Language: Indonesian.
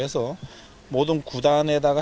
dan kami juga ingin menikmati pertandingan